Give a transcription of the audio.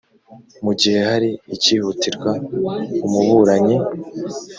mu gihe hari icyihutirwa umuburanyi